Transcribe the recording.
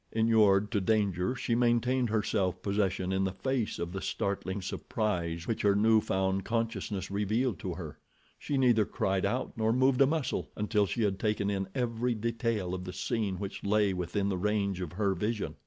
Inured to danger, she maintained her self possession in the face of the startling surprise which her new found consciousness revealed to her. She neither cried out nor moved a muscle, until she had taken in every detail of the scene which lay within the range of her vision.